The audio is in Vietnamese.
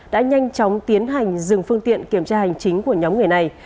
đã nhanh chóng tiến hành dừng phương tiện kiểm tra hành chính của nhóm người này